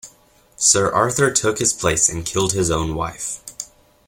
Sir Arthur took his place and killed his own wife.